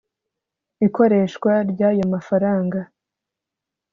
ikoreshwa ry ayo mafaranga